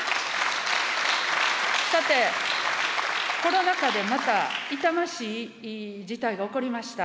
さて、コロナ禍でまた、痛ましい事態が起こりました。